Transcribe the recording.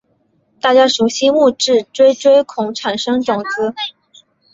大家熟悉木质锥锥孔产生种子。